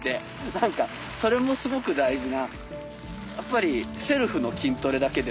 何かそれもすごく大事な。